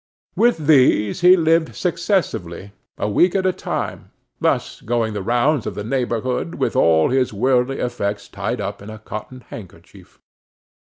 With these he lived successively a week at a time, thus going the rounds of the neighborhood, with all his worldly effects tied up in a cotton handkerchief.